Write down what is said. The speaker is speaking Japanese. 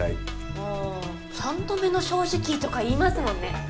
ああ「三度目の正直」とか言いますもんね。